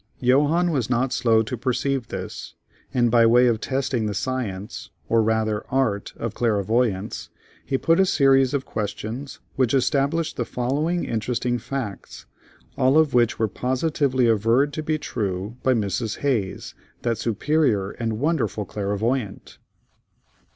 Johannes was not slow to perceive this, and by way of testing the science, or rather, art of clairvoyance, he put a series of questions which established the following interesting facts, all of which were positively averred to be true by Mrs. Hayes, "that superior and wonderful clairvoyant."